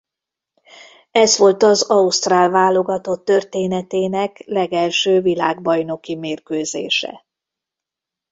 Ez volt az ausztrál válogatott történetének legelső világbajnoki mérkőzése.